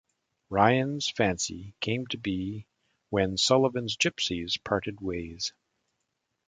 Ryan's Fancy came to be when Sullivan's Gypsies parted ways.